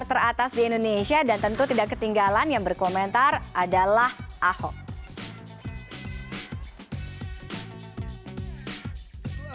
teratas di indonesia dan tentu tidak ketinggalan yang berkomentar adalah ahok